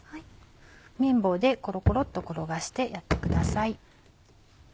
めん棒でコロコロっと転がしてやってください。